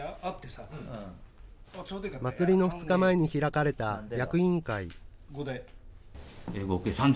祭りの２日前に開かれた役員会。